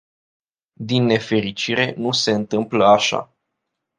Din nefericire, nu se întâmplă așa.